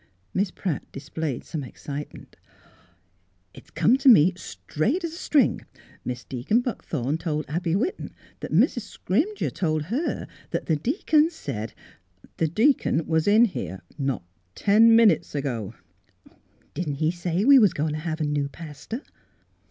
Miss Pratt displayed some excitement. " It come t' me straight 's a string — Mis' Deaconess Buckthorn told Abby Whiton that Mis' Scrimger told her that the Deacon said —"" The deacon was in here not ten min utes ago." " Didn't he say we was goin' t' have a new pastor?